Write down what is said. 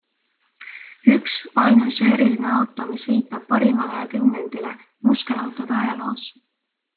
Üks, ainus ja eriline auto, mis viitab parimale kümnendile muskelautode ajaloos.